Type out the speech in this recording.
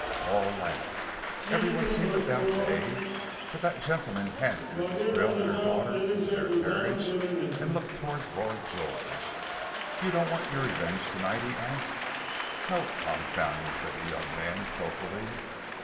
Paul laughed. Everyone seemed to doubt Hay. But that gentleman handed Mrs. Krill and her daughter into their carriage, and looked towards Lord George. "You don't want your revenge to night?" he asked. "No, confound you!" said the young man, sulkily.